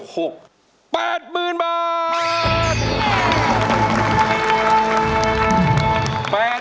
๘หมื่นบาท